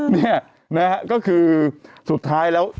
เนี่ยนะฮะก็คือสุดท้ายแล้ว